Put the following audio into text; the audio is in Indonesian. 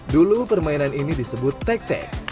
dulu permainan ini disebut tek tek